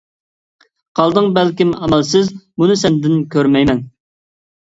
قالدىڭ بەلكىم ئامالسىز بۇنى سەندىن كۆرمەيمەن.